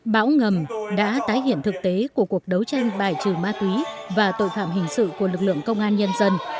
bão ngầm đã tái hiện thực tế của cuộc đấu tranh bài trừ ma túy và tội phạm hình sự của lực lượng công an nhân dân